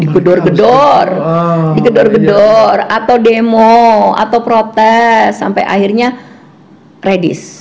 gedor gedor atau demo atau protes sampai akhirnya redis